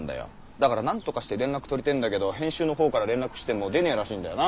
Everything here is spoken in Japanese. だから何とかして連絡取りてーんだけど編集のほうから連絡しても出ねーらしいんだよな。